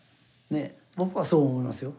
僕はそう思いますよ。